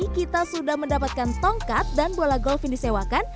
kita sudah mendapatkan tongkat dan bola golf yang disewakan